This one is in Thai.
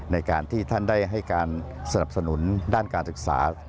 ในการที่ท่านได้ให้การสนับสนุนด้านการศึกษา